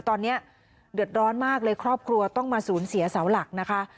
ตอนนี้เดือดร้อนมากเลยครอบครัวต้องมาสูญเสียเสาหลักนะคะ